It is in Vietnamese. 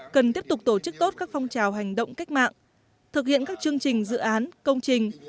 cần tiếp tục tổ chức tốt các phong trào hành động cách mạng thực hiện các chương trình dự án công trình